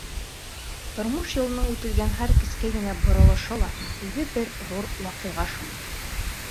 Тормош юлының үтелгән һәр кескәй генә боролошо ла үҙе бер ҙур ваҡиға шул.